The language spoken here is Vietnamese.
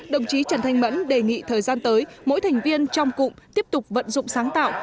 đồng chí trần thanh mẫn đề nghị thời gian tới mỗi thành viên trong cụm tiếp tục vận dụng sáng tạo